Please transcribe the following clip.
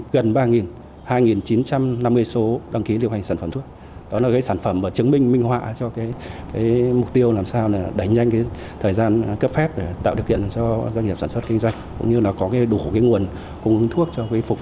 ba gần ba hai chín trăm năm mươi số đăng ký lưu hành sản phẩm thuốc